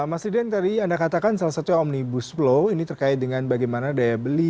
mas riden tadi anda katakan salah satunya omnibus law ini terkait dengan bagaimana daya beli